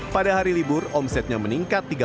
pada hari libur omsetnya meningkat